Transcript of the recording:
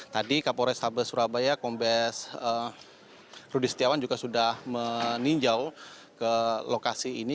tadi kapolres tabes surabaya kombes rudy setiawan juga sudah meninjau ke lokasi ini